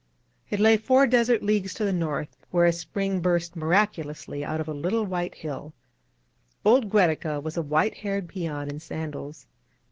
It lay four desert leagues to the north, where a spring burst miraculously out of a little white hilL Old Giiereca was a white haired peon in sandals.